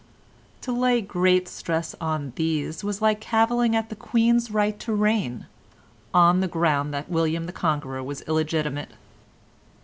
To lay great stress on these was like cavilling at the Queen's right to reign, on the ground that William the Conqueror was illegitimate.